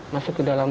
masuk ke dalam